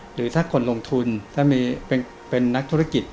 หรือถ้าคนลงทุนถ้ามีเป็นนักธุรกิจ